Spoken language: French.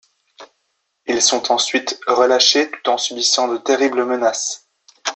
Ils sont ensuite relâchés tout en subissant de terribles menaces.